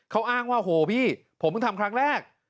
เขาอ้างว่าโอ้โหพี่ผมมึงทำครั้งแรก